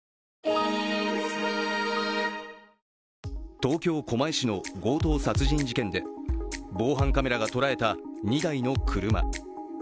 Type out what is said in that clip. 東京・狛江市の強盗殺人事件で防犯カメラが捉えた２台の車。